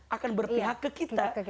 akan berpihak ke kita